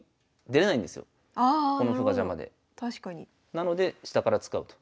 なので下から使うと。